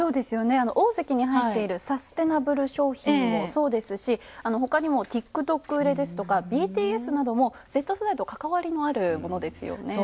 大関に入っているサスティナブル商品もそうですしほかにも、ＴｉｋＴｏｋですとかＢＴＳもＺ世代と関わりのあるものですよね。